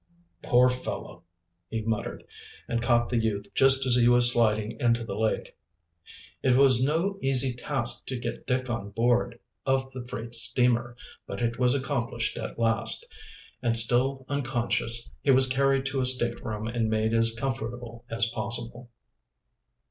"Poor fellow!" he muttered, and caught the youth just as he was sliding into the lake. It was no easy task to get Dick on board of the freight steamer. But it was accomplished at last, and, still unconscious, he was carried to a stateroom and made as comfortable as possible.